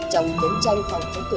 trong chiến tranh phòng chống tội phạm